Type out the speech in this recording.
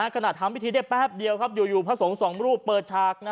ขณะทำพิธีได้แป๊บเดียวอยู่พระสงฆ์สองรูปเปิดฉาก